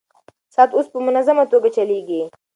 ساعت اوس په منظمه توګه چلېږي.